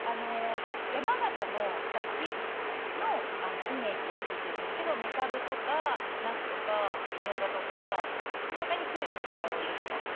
山形のだしのイメージで作ってるんですけどめかぶとかなすとかみょうがとかこの中にきゅうりのヘタを入れてます。